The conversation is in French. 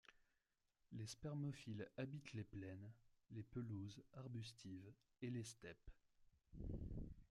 Les spermophiles habitent les plaines, les pelouses arbustives et les steppes.